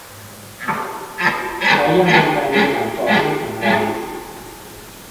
และยังเป็นการบริหารปอดให้แข็งแรง